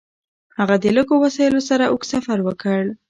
هغه د لږو وسایلو سره اوږد سفر وکړ.